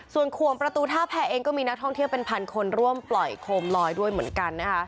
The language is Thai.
ส่วนขวงประตูท่าแพรเองก็มีนักท่องเที่ยวเป็นพันคนร่วมปล่อยโคมลอยด้วยเหมือนกันนะคะ